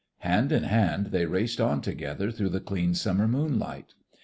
Hand in hand they raced on together through the clean summer moonlight.